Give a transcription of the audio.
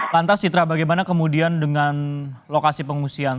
lantas citra bagaimana kemudian dengan lokasi pengungsian